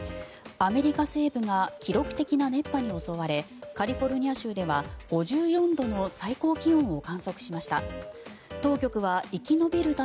アメリカ西部が記録的な熱波に襲われカリフォルニア州では５４度の最高気温を観測しました。